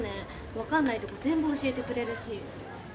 分かんないとこ全部教えてくれるし。